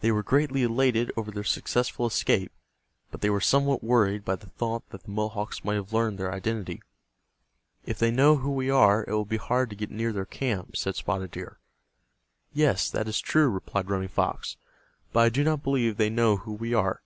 They were greatly elated over their successful escape, but they were somewhat worried by the thought that the Mohawks might have learned their identity. "If they know who we are, it will be hard to get near their camp," said Spotted Deer. "Yes, that is true," replied Running Fox. "But I do not believe they know who we are.